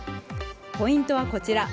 ポイントはこちら。